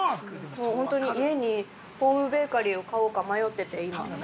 ◆ほんと、家にホームベーカリーを買おうか迷ってて、今。